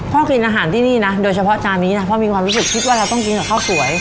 กินอาหารที่นี่นะโดยเฉพาะจานนี้นะพ่อมีความรู้สึกคิดว่าเราต้องกินกับข้าวสวย